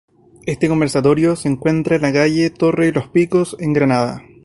Este conservatorio se encuentra en la calle Torre de los Picos, en Granada.